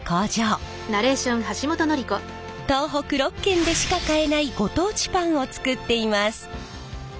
東北６県でしか買えないご当地パンを作っています。